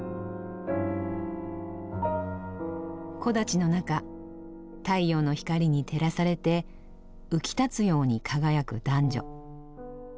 木立の中太陽の光に照らされて浮き立つように輝く男女。